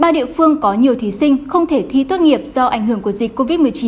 ba địa phương có nhiều thí sinh không thể thi tốt nghiệp do ảnh hưởng của dịch covid một mươi chín